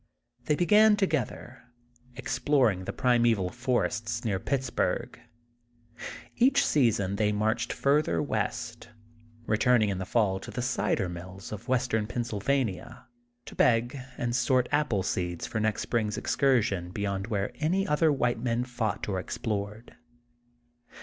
They began together, exploring the prime val forests near Pittsburgh. Each season they marched further west, returning in the fall to the cider i;aills of Western Pennsylvania, to beg and sort apple seeds for next spring's excursion beyond where any other white men fought or explored.